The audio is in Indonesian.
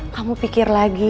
kamu pikir lagi